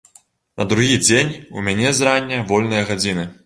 На другі дзень у мяне зрання вольныя гадзіны.